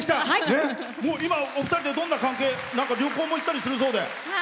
今、お二人で旅行も行ったりするそうで。